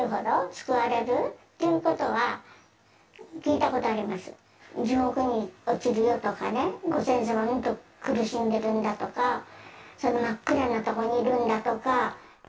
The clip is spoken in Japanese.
地獄に落ちるよとかね、ご先祖様はもっと苦しんでるんだとか、真っ暗な所にいるんだとか。